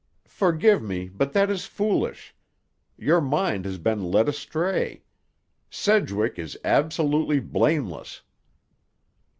"Forgive me, but that is foolish. Your mind has been led astray. Sedgwick is absolutely blameless."